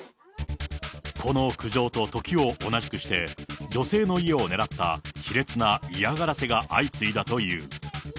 この苦情とときを同じくして、女性の家を狙った卑劣な嫌がらせが相次いだという。